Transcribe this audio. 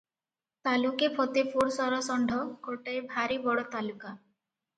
ତାଲୁକେ ଫତେପୁର ସରଷଣ୍ତ ଗୋଟାଏ ଭାରି ବଡ଼ ତାଲୁକା ।